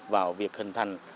vào việc hình thành